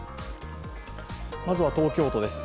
まずは東京都です。